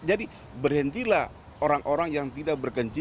jadi berhentilah orang orang yang tidak berkenci